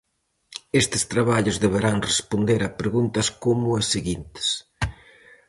Estes traballos deberán responder a preguntas como as seguintes: